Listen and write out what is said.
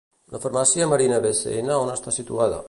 La Farmàcia Marina Bcn, on està situada?